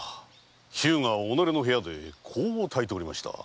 日向は己の部屋で香を焚いておりました。